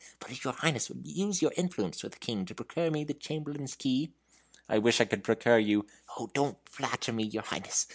But if your Highness would use your influence with the King to procure me the Chamberlain's key " "I wish I could procure you " "Oh, don't flatter me, your Highness.